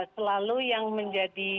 selalu yang menjadi